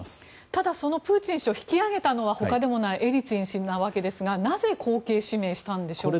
ただ、そのプーチン氏を引き上げたのは他でもないエリツィン氏なわけですがなぜ後継指名したんでしょうか。